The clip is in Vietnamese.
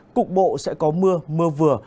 cục bộ sẽ có mưa mưa vừa